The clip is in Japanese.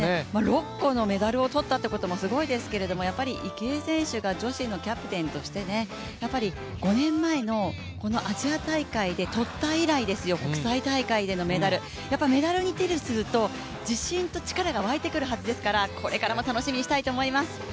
６個のメダルを取ったということもすごいですけれども、池江選手が女子のキャプテンとして、５年前のこのアジア大会で取った以来ですよ、国際大会でのメダル、やっぱりメダルを手にすると自信と力が湧いてくるはずですからこれからも楽しみにしたいと思います。